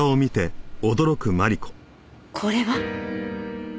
これは！